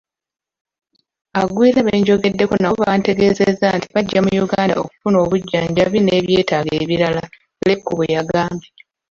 “Abagwira benjogeddeko nabo bantegeezezza nti bajja mu Uganda okufuna obujjanjabi n'ebyetaago ebirala,” Leku bweyagambye.